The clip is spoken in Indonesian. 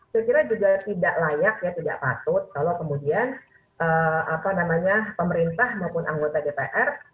saya kira juga tidak layak ya tidak patut kalau kemudian pemerintah maupun anggota dpr